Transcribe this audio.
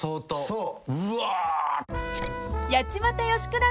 そう。